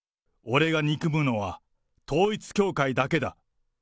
俺が憎むのは、統一教会だけだ。